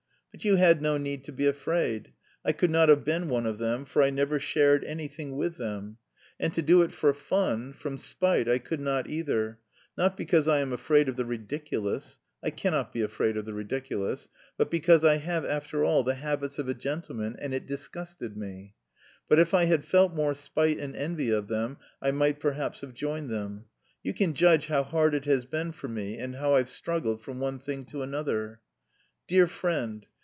But you had no need to be afraid. I could not have been one of them for I never shared anything with them. And to do it for fun, from spite I could not either, not because I am afraid of the ridiculous I cannot be afraid of the ridiculous but because I have, after all, the habits of a gentleman and it disgusted me. But if I had felt more spite and envy of them I might perhaps have joined them. You can judge how hard it has been for me, and how I've struggled from one thing to another. "Dear friend!